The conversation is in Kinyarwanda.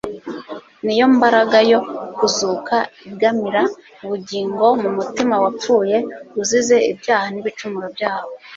Niyo mbaraga yo kuzuka igamra ubugingo mu mutima wapfuye uzize ibyaha n'ibicumuro byawo.